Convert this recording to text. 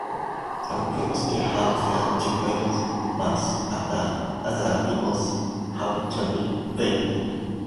Some people still have their checkmarks months after other people’s have totally faded.